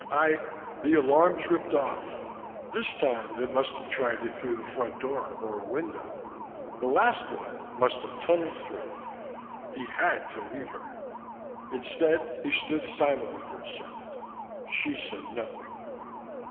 "I the alarm tripped off. This time they must have tried it through the front door, or a window. The last one must have tunnelled through " He had to leave her. Instead he stood silently for a second. She said nothing.